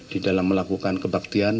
di dalam melakukan kebaktian